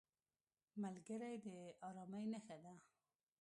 ملګری د ارامۍ نښه ده